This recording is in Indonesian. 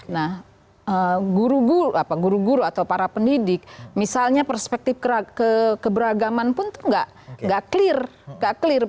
nah guru guru atau para pendidik misalnya perspektif keberagaman pun itu tidak clear